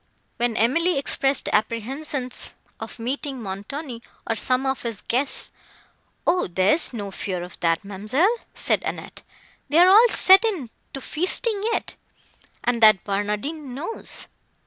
When Emily expressed apprehensions of meeting Montoni, or some of his guests, "O, there is no fear of that, ma'amselle," said Annette, "they are all set in to feasting yet, and that Barnardine knows."